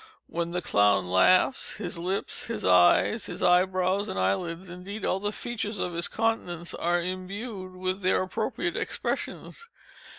When the clown laughs, his lips, his eyes, his eye brows, and eyelids—indeed, all the features of his countenance—are imbued with their appropriate expressions.